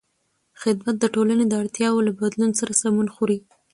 خدمت د ټولنې د اړتیاوو له بدلون سره سمون خوري.